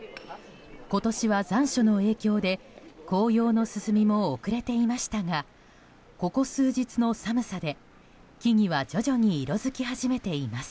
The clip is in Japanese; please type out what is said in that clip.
今年は残暑の影響で紅葉の進みも遅れていましたがここ数日の寒さで木々は徐々に色づき始めています。